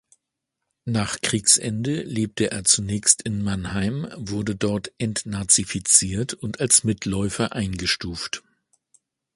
Nach Kriegsende lebte er zunächst in Mannheim, wurde dort entnazifiziert und als Mitläufer eingestuft.